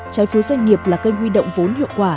trái phiếu doanh nghiệp là kênh huy động vốn hiệu quả